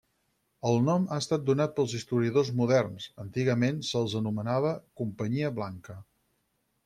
El nom ha estat donat pels historiadors moderns, antigament se'ls anomenava companyia blanca.